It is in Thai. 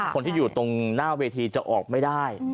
คนที่อยู่ตรงหน้าเวทีจะออกไม่ได้